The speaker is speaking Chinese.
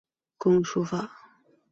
工书法。